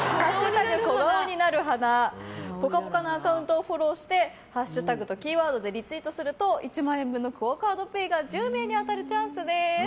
「ぽかぽか」のアカウントをフォローしてハッシュタグとキーワードでリツイートすると１万円のＱＵＯカードＰａｙが１０名に当たるチャンスです。